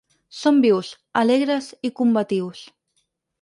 Som vius, alegres i combatius.